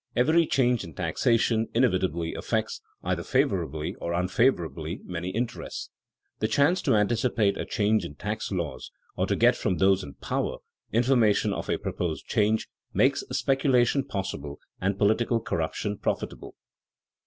Every change in taxation inevitably affects, either favorably or unfavorably, many interests. The chance to anticipate a change in tax laws or to get, from those in power, information of a proposed change, makes speculation possible and political corruption profitable.